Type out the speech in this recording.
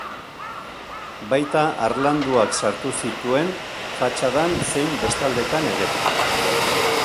Baita harlanduak sartu zituen fatxadan zein beste aldetan ere.